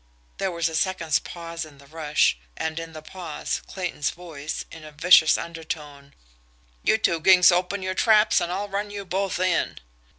There was a second's pause in the rush; and, in the pause, Clayton's voice, in a vicious undertone: "You two ginks open your traps, and I'll run you both in!"